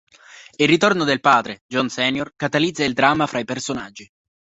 Il ritorno del padre, John sr., catalizza il dramma fra i personaggi.